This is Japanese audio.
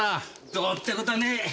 どうって事はねえ。